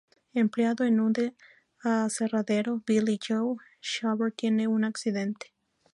Empleado en un aserradero, Billy Joe Shaver tiene un accidente.